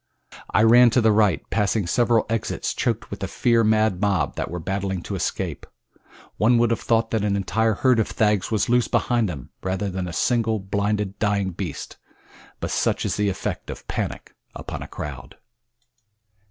I ran to the right, passing several exits choked with the fear mad mob that were battling to escape. One would have thought that an entire herd of thags was loose behind them, rather than a single blinded, dying beast; but such is the effect of panic upon a crowd.